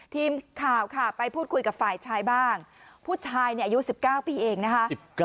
ทีมข่าวค่ะไปพูดคุยกับฝ่ายชายบ้างผู้ชายอายุ๑๙ปีเองนะคะ